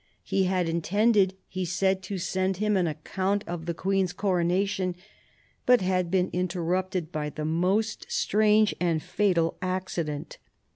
He had intended, he said, to send him an account of the Queen's coronation ; but had been interrupted by " the most strange and fatal accident."